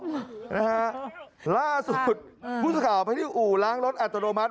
นะฮะล่าสุดพุทธกราบพระที่อู่ล้างรถอัตโนมัติ